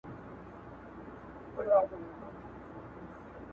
گوره زما په يوې ښـكلي ژوند تــېــــريـــږي نــه,